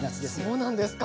そうなんですか。